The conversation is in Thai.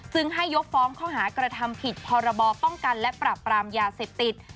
ซึ่งให้ยกฟ้องข้อหากระทำผิดพรบป้องกันและปรับปรามยาเสพติด